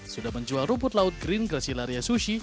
sudah menjual rumput laut green gracilaria sushi